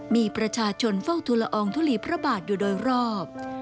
มีประชาชนเฝ้าทุลอองทุลีพระบาทอยู่โดยรอบ